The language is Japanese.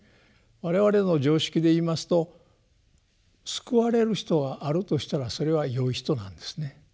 我々の常識で言いますと救われる人はあるとしたらそれはよい人なんですね。